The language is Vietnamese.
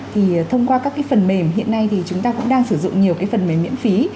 thì thông qua các cái phần mềm hiện nay thì chúng ta cũng đang sử dụng nhiều cái phần mềm miễn phí